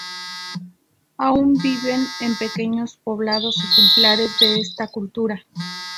Aún viven en pequeños poblados ejemplares de esta cultura.